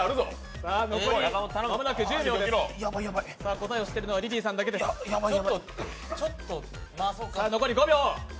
答えを知っているのはリリーさんだけです。え？